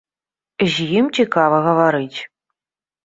З ім цікава гаварыць.